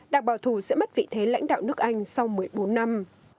đảng bảo thủ sẽ mất vị thế lãnh đạo nước anh sau một mươi bốn năm